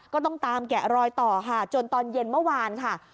ก็ต้องตามแกะรอยต่อค่ะจนตอนเย็นเมื่อวานค่ะ